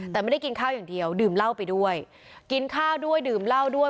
แต่ไม่ได้กินข้าวอย่างเดียวดื่มเหล้าไปด้วยกินข้าวด้วยดื่มเหล้าด้วย